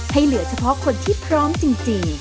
เหลือเฉพาะคนที่พร้อมจริง